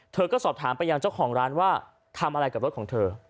เธอก็สอบถามไปยังเจ้าของร้านว่าทำอะไรกับรถของเธอ